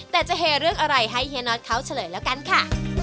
แต่จะเฮเรื่องอะไรให้เฮียน็อตเขาเฉลยแล้วกันค่ะ